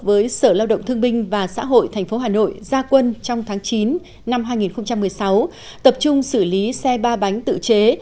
với sở lao động thương binh và xã hội tp hà nội gia quân trong tháng chín năm hai nghìn một mươi sáu tập trung xử lý xe ba bánh tự chế